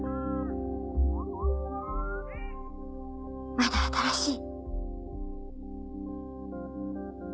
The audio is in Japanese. まだ新しい。